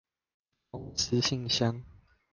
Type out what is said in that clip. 公司信箱